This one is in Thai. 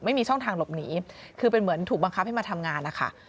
ไม่มีช่องทางหลบหนีคือเป็นเหมือนถูกบังคับให้มาทำงานนะคะ